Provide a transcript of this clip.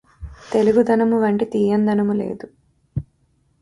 తెలుగుదనమువంటి తీయందనము లేదు